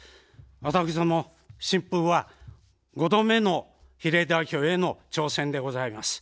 私ども新風は５度目の比例代表への挑戦でございます。